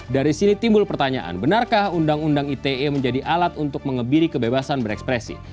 dari sini timbul pertanyaan benarkah undang undang ite menjadi alat untuk mengebiri kebebasan berekspresi